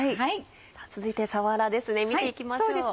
続いてさわらですね見ていきましょう。